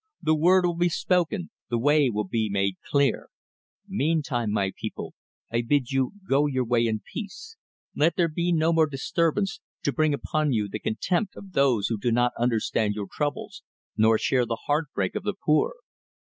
The word will be spoken, the way will be made clear. Meantime, my people, I bid you go your way in peace. Let there be no more disturbance, to bring upon you the contempt of those who do not understand your troubles, nor share the heartbreak of the poor.